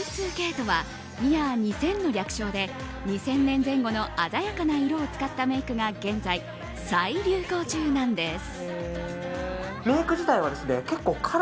Ｙ２Ｋとはイヤー２０００の略称で２０００年前後の鮮やかな色を使ったメイクが現在、再流行中なんです。